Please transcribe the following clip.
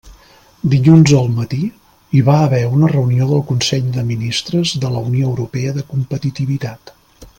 Dilluns al matí hi va haver una reunió del Consell de Ministres de la Unió Europea de Competitivitat.